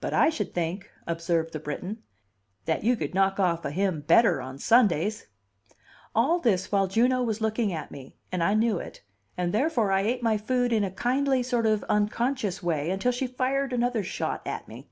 "But I should think," observed the Briton, "that you could knock off a hymn better on Sundays." All this while Juno was looking at me, and I knew it, and therefore I ate my food in a kindly sort of unconscious way, until she fired another shot at me.